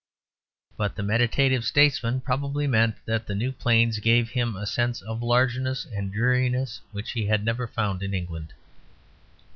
But the meditative statesman probably meant that the new plains gave him a sense of largeness and dreariness which he had never found in England.